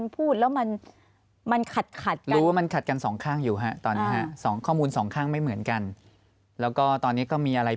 เพราะว่ามันขัดกันสองข้างอยู่ครับตอนนี้ครับ